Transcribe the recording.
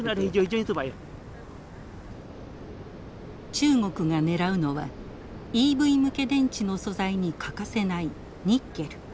中国がねらうのはＥＶ向け電池の素材に欠かせないニッケル。